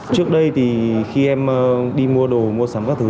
trước đây thì khi em đi mua đồ mua sắm các thứ